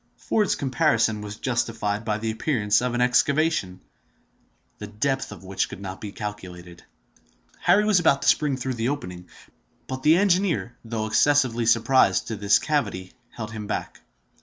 Ford's comparison was justified by the appearance of an excavation, the depth of which could not be calculated. Harry was about to spring through the opening; but the engineer, though excessively surprised to find this cavity, held him back.